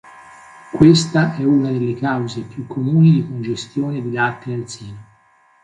Questa è una delle cause più comuni di congestione di latte nel seno.